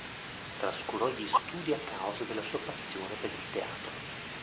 Trascurò gli studi a causa della sua passione per il teatro.